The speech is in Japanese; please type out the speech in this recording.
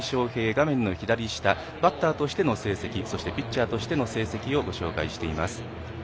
画面の左下バッターとしての成績ピッチャーとしての成績をご紹介しています。